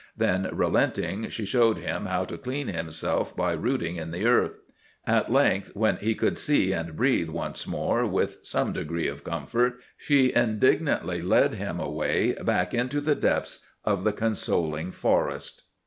Then, relenting, she showed him how to clean himself by rooting in the earth. At length, when he could see and breathe once more with some degree of comfort, she indignantly led him away back into the depths of the consoling forest.